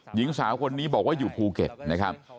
หญิงสาวคนนี้บอกว่าอยู่ภูเก็ตนะครับ